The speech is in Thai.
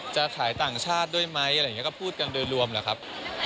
จะขายต่างชาติด้วยไหมอะไรอย่างนี้ก็พูดกันโดยรวมแล้วครับ